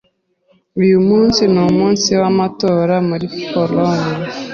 Uyu munsi ni umunsi w’amatora muri Polonye.